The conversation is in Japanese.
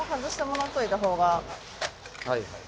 はいはい。